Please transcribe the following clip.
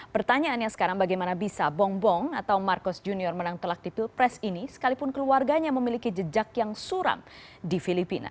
pertanyaannya sekarang bagaimana bisa bongbong atau marcos junior menang telak di pilpres ini sekalipun keluarganya memiliki jejak yang suram di filipina